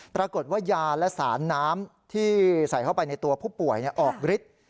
ปรากฏว่ายาและสารน้ำที่ใส่เข้าไปในตัวผู้ป่วยออกฤทธิ์